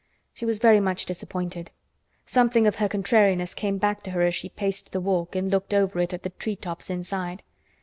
She was very much disappointed. Something of her contrariness came back to her as she paced the walk and looked over it at the tree tops inside.